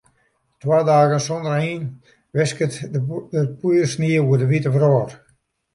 Twa dagen sonder ein wisket der poeiersnie oer de wite wrâld.